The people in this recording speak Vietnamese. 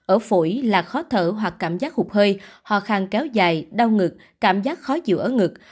ở phổi là khó thở hoặc cảm giác hụt hơi ho khang kéo dài đau ngực cảm giác khó chịu ở ngực